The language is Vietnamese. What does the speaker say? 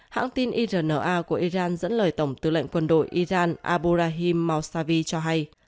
hãng tin irna của iran dẫn lời tổng tư lệnh quân đội iran aburahim mausavi cho hay